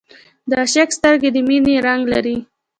د عاشق سترګې د مینې رنګ لري